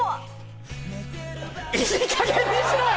いいかげんにしろよ！